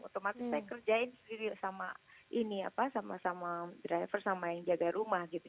otomatis saya kerjain sendiri sama driver sama yang jaga rumah gitu